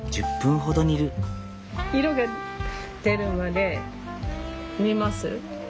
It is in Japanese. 色が出るまで煮ます。